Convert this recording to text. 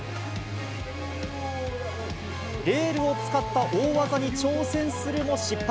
レールを使った大技に挑戦するも失敗。